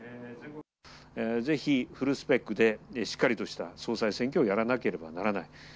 ぜひフルスペックでしっかりとした総裁選挙をやらなければならない。